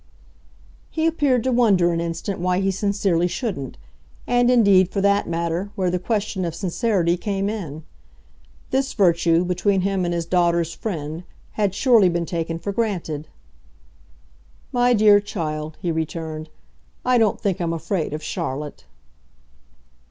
He appeared to wonder an instant why he sincerely shouldn't, and indeed, for that matter, where the question of sincerity came in. This virtue, between him and his daughter's friend, had surely been taken for granted. "My dear child," he returned, "I don't think I'm afraid of Charlotte."